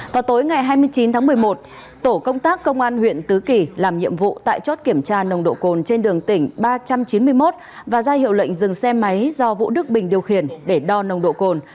vào tối ngày hai mươi chín tháng một mươi một tổ công tác công an huyện tứ kỳ làm nhiệm vụ tại chốt kiểm tra nồng độ cồn trên đường tỉnh ba trăm chín mươi một và ra hiệu lệnh dừng xe máy do vũ đức bình điều khiển để đo nồng độ cồn